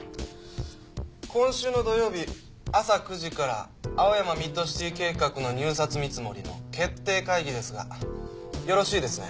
今週の土曜日朝９時から青山ミッドシティ計画の入札見積もりの決定会議ですがよろしいですね？